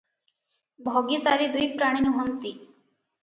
ଭଗି ସାରୀ ଦୁଇପ୍ରାଣୀ ନୁହଁନ୍ତି ।